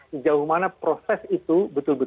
sejauh mana proses itu akan diberi pengetahuan